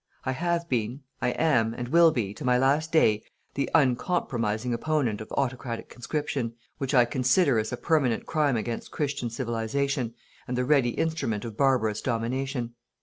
I have been, I am, and will be, to my last day, the uncompromising opponent of autocratic conscription, which I consider as a permanent crime against Christian Civilization, and the ready instrument of barbarous domination.